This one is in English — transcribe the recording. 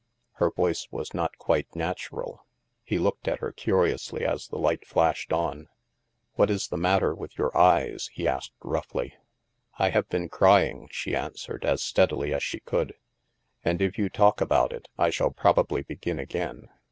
Her voice was not quite natural. He looked at her curiously as the light flashed on. " What is the matter with your eyes ?" he asked roughly. " I have been crying," she answered as steadily as she could. "And if you talk about it, I shall probably begin again.